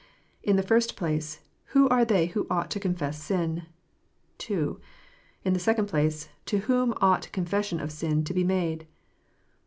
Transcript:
In the first place, Who are they who ought to confess sin ? II. In the second place, To wliom ought confession of sin to be made?